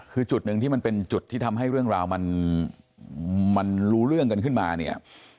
คือจุดหนึ่งที่มันเป็นจุดที่ทำให้เรื่องราวมันรู้เรื่องกันขึ้นมาเนี่ย